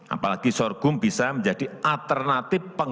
apalagi sorghum bisa menjadi alternatif pengganti gantung